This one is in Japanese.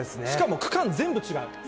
しかも区間全部違う。